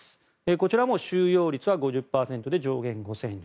こちらも収容率は５０％で上限は５０００人。